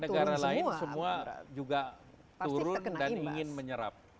negara lain semua juga turun dan ingin menyerap